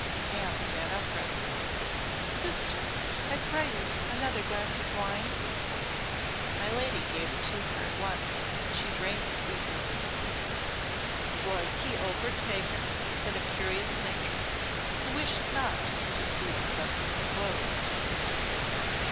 Anne sat upright. "Sister I pray you another glass of wine." My lady gave it to her at once, and she drained it eagerly. "Was he overtaken?" said a curious matron, who wished not to see the subject closed.